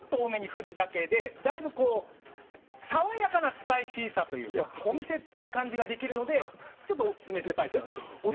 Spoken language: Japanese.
カルダモンを仕上げに多めに振るだけでだいぶ、爽やかなスパイシーさというかお店っぽい感じができるのでちょっとオススメスパイスの１つですね。